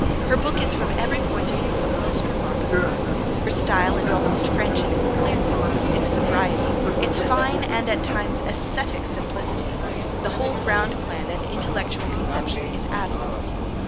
Her book is, from every point of view, a most remarkable work. Her style is almost French in its clearness, its sobriety, its fine and, at times, ascetic simplicity. The whole ground plan and intellectual conception is admirable.